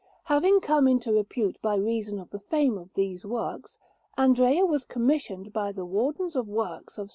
Having come into repute by reason of the fame of these works, Andrea was commissioned by the Wardens of Works of S.